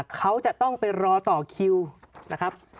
เขาจะต้องไปรอต่อคิวนะครับ